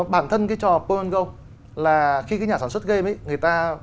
bản thân cái trò pokemon go là khi cái nhà sản xuất game ấy người ta